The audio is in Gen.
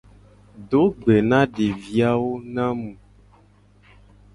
Do gbe na devi awo na mu.